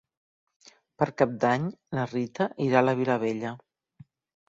Per Cap d'Any na Rita irà a la Vilavella.